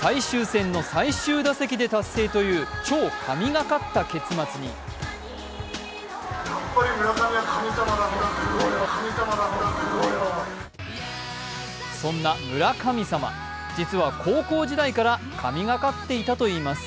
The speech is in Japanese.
最終戦の最終打席で達成という超神がかった結末にそんな村神様、実は高校時代から神がかっていたといいます。